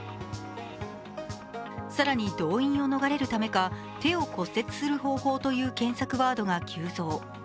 更に動員を逃れるためか、「手を骨折する方法」という検索ワードが急増。